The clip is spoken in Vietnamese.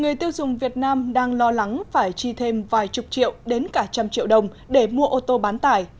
người tiêu dùng việt nam đang lo lắng phải chi thêm vài chục triệu đến cả trăm triệu đồng để mua ô tô bán tải